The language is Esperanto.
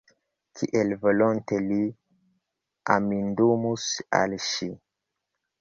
Kiel volonte li amindumus al ŝi!